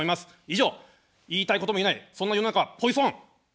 以上、言いたいことも言えない、そんな世の中はポイソン。